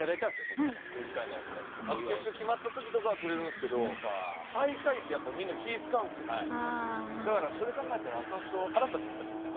僕らも空気階段みたいに決勝決まったときとかはくれるんですけど最下位ってやっぱみんな気遣うんですよねだからそれ考えたら後々腹立ってきましたけどね